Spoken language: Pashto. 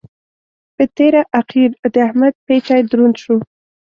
په تېره اخېر د احمد پېټی دروند شو.